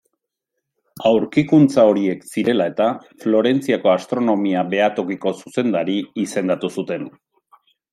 Aurkikuntza horiek zirela eta, Florentziako astronomia-behatokiko zuzendari izendatu zuten.